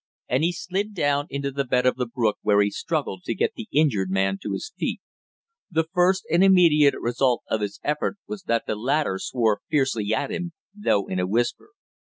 And he slid down into the bed of the brook where he struggled to get the injured man to his feet. The first and immediate result of his effort was that the latter swore fiercely at him, though in a whisper.